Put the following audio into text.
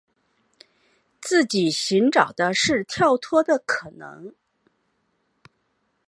自己寻找的是跳脱的可能